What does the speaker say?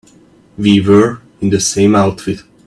We were in the same outfit.